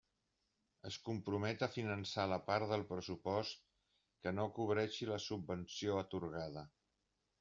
Es compromet a finançar la part del pressupost que no cobreixi la subvenció atorgada.